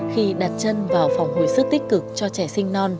khi đặt chân vào phòng hồi sức tích cực cho trẻ sinh non